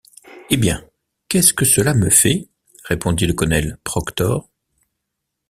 Eh bien! qu’est-ce que cela me fait? répondit le colonel Proctor.